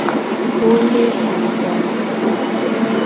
Wo le ahuasito.